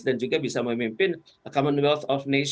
dan juga bisa memimpin commonwealth